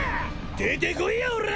出てこいやおら！